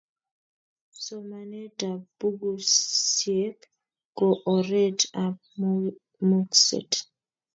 Somanet ap pukuisyek ko oret ap mung'set